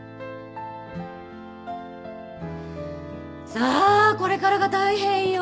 さあこれからが大変よ。